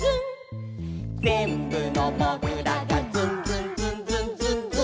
「ぜんぶのもぐらが」「ズンズンズンズンズンズン」